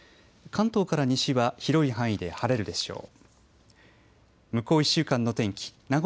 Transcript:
関東から西は広い範囲で晴れるでしょう。